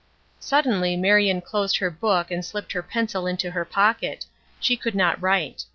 Suddenly Marion closed her book and slipped her pencil into her pocket; she could not write.